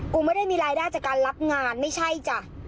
กูไม่ได้มีรายได้จากการรับงานไม่ใช่จ้ะ